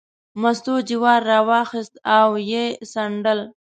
مستو جواری راواخیست او یې څنډل.